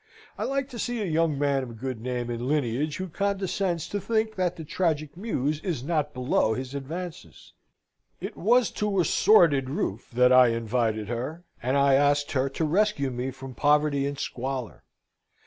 I like to see a young man of good name and lineage who condescends to think that the Tragic Muse is not below his advances. It was to a sordid roof that I invited her, and I asked her to rescue me from poverty and squalor.